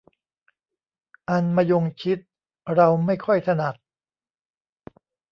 อันมะยงชิดเราไม่ค่อยถนัด